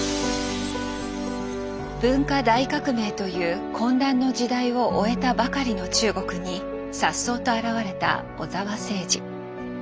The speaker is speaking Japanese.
文化大革命という混乱の時代を終えたばかりの中国にさっそうと現れた小澤征爾。